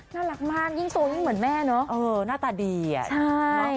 น่ารักมากยิ่งโตยิ่งเหมือนแม่เนอะเออหน้าตาดีอ่ะใช่